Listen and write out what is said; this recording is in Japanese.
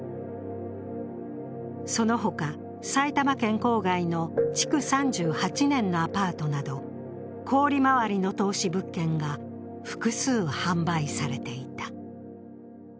その他、埼玉県郊外の築３８年のアパートなど高利回りの投資物件が複数販売されていた。